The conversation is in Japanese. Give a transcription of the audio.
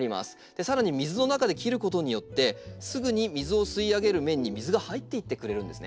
さらに水の中で切ることによってすぐに水を吸い上げる面に水が入っていってくれるんですね。